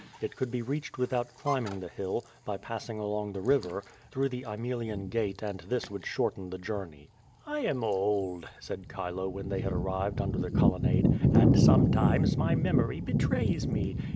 It could be reached without climbing the hill, by passing along the river, through the Aemilian Gate and thi.s would shorten the journey. "I am old," said Chilo, when they had arrived under the Colonnade, "and sometimes my memory betrays me.